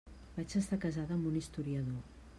Vaig estar casada amb un historiador.